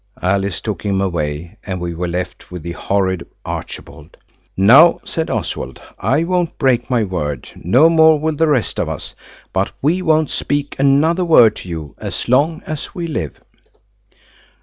Alice took him away, and we were left with the horrid Archibald. "Now," said Oswald, "I won't break my word, no more will the rest of us. But we won't speak another word to you as long as we live."